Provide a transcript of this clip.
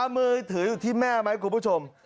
มือถืออยู่ที่แม่ไหมคุณผู้ชม